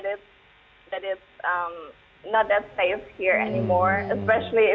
jadi saya rasa orang orang tahu bahwa ini bukan tempat yang aman lagi